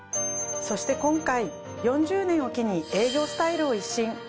そして今回４０年を機に営業スタイルを一新。